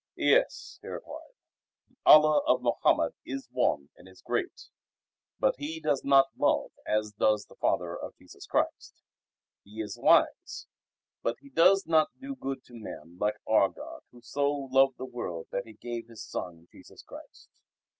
"Yes," he replied, "the Allah of Mohammed is one and is great, but He does not love as does the Father of Jesus Christ. He is wise, but He does not do good to men like our God who so loved the world that He gave His Son Jesus Christ."